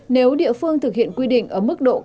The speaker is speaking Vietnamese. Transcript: nếu địa phương thực hiện quy định ở mức độ cao hơn sớm hơn